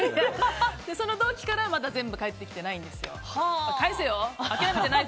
その同期から、まだ全部返ってきてないんですよ。返せよ！